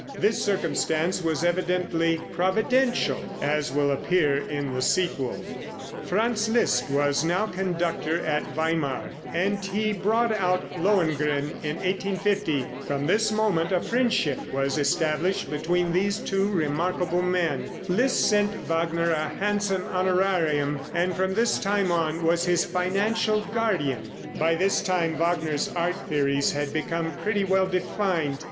This circumstance was evidently providential, as will appear in the sequel. [Illustration: Fig. 78. RICHARD WAGNER.] Franz Liszt was now conductor at Weimar, and he brought out "Lohengrin" in 1850. From this moment a friendship was established between these two remarkable men. Liszt sent Wagner a handsome honorarium, and from this time on was his financial guardian. By this time Wagner's art theories had become pretty well defined.